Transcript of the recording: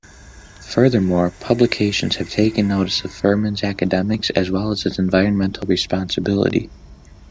Furthermore, publications have taken notice of Furman's academics, as well as its environmental responsibility.